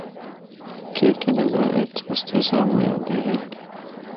کے کے نظارے تُسدے دے سامنڑے ہوندے ہن۔